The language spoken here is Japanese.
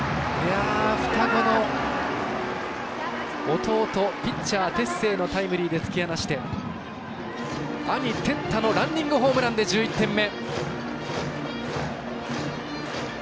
双子の弟ピッチャー、哲星のタイムリーで突き放して兄・森本哲太のランニングホームランで１１点目。